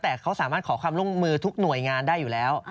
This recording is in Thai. แต่เขาสามารถขอความร่วมมือทุกหน่วยงานได้อยู่แล้ว